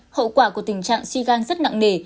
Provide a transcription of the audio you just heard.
hậu quả của tình trạng suy gan rất nặng nề